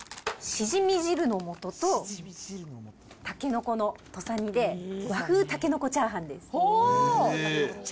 しじみ汁のもとと、たけのこの土佐煮で和風たけのこチャーハンです。